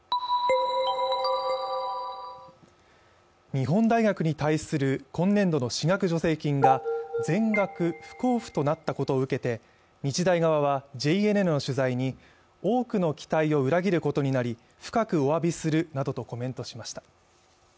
日本大学に対する今年度の私学助成金が全国不交付となったことを受けて日大側はＪＮＮの取材に、多くの期待を裏切ることになり深くお詫びするなどとコメントしました。